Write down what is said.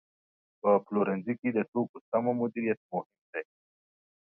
په پلورنځي کې د توکو سمه مدیریت مهم دی.